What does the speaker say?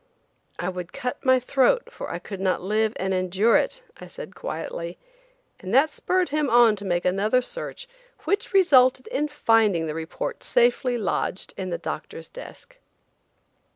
"I would cut my throat, for I could not live and endure it," I said quietly, and that spurred him on to make another search, which resulted in finding the report safely lodged in the doctor's desk.